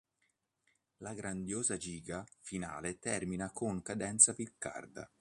La grandiosa "giga" finale termina con cadenza piccarda.